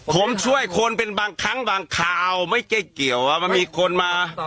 ผมช่วยคนเป็นบางครั้งบางคราวไม่ใช่เกี่ยวมันมีคนมา